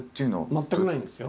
全くないんですよ。